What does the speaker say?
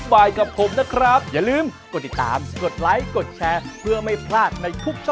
ปากกับภาคภูมิ